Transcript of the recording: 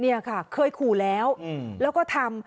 นี่ค่ะเคยขู่แล้วแล้วก็ทำ